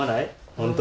本当？